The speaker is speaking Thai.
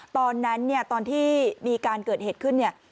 ตอนนั้นเนี่ยตอนที่มีการเกิดเหตุขึ้นเนี่ย